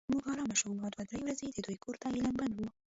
موږ ارامه شوو او دوه درې ورځې د دوی کور ته اعلان بند و.